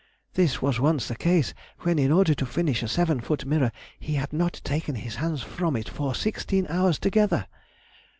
This was once the case when, in order to finish a seven foot mirror, he had not taken his hands from it for sixteen hours together.